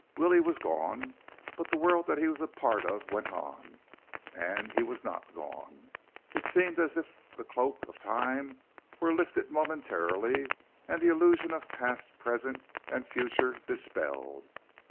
Willie was gone; but the world that he was a part of went on, and he was not gone. It seemed as if the cloak of Time were lifted momentarily and the illusion of past, present, and future dispelled.